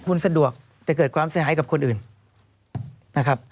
คุณสะดวกแต่เกิดความเสียหายกับคนอื่นนะครับ